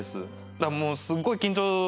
だからもうすごい緊張。